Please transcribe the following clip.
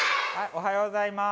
おはようございます。